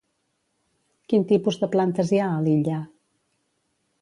Quin tipus de plantes hi ha a l'illa?